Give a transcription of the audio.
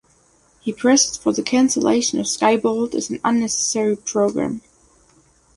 He pressed for the cancellation of Skybolt as an unnecessary program.